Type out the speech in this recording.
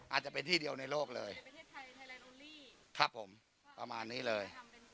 อาจจะเป็นที่เดียวในโลกเลยประมาณนี้เลย